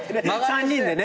３人でね。